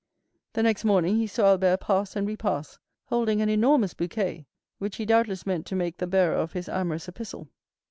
The next morning he saw Albert pass and repass, holding an enormous bouquet, which he doubtless meant to make the bearer of his amorous epistle.